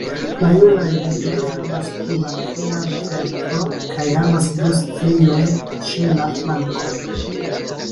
La junaj idoj havas pli malhelan ventron kaj havas du striojn ĉe la flankoj.